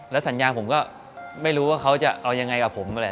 สัญญาผมก็ไม่รู้ว่าเขาจะเอายังไงกับผมอะไร